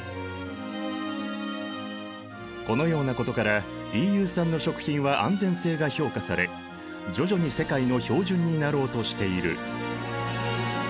このようなことからＥＵ産の食品は安全性が評価され徐々に世界の標準になろうとしている。